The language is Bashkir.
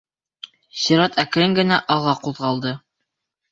Сират әкрен генә алға ҡуҙғалды.